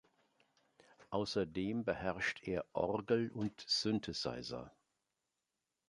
Außerdem beherrscht er Orgel und Synthesizer.